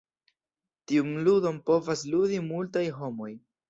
Tiun "ludon" povas "ludi" multaj homoj.